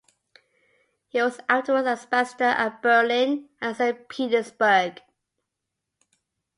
He was afterwards ambassador at Berlin and Saint Petersburg.